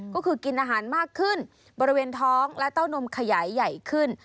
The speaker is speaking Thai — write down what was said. ก็คือกินอาหารมากขึ้นบริเวณท้องและเต้านมขยายใหญ่ขึ้น